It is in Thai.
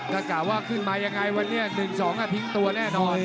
ถ้ากะว่าขึ้นมายังไงวันนี้๑๒ทิ้งตัวแน่นอน